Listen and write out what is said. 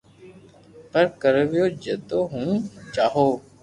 پر ڪرو ويو جدي ھون چاھو